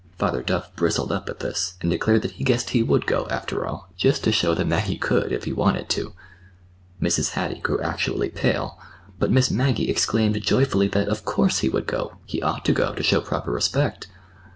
Father Duff bristled up at this, and declared that he guessed he would go, after all, just to show them that he could, if he wanted to. Mrs. Hattie grew actually pale, but Miss Maggie exclaimed joyfully that, of course, he would go—he ought to go, to show proper respect!